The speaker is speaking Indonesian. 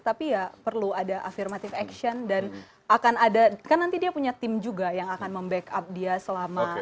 tapi ya perlu ada afirmative action dan akan ada kan nanti dia punya tim juga yang akan membackup dia selama